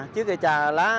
trước kia trà lá